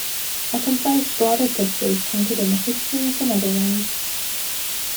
A concise broader picture is painted in History of the Netherlands.